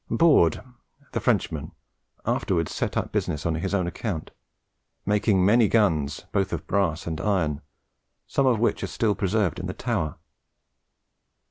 Baude, the Frenchman, afterwards set up business on his own account, making many guns, both of brass and iron, some of which are still preserved in the Tower.